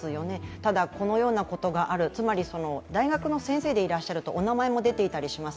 ただ、このようなことがある、大学の先生でいらっしゃると、お名前も出ていらっしゃったりします。